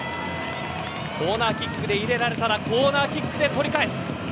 コーナーキックで入れられたらコーナーキックで取り返す。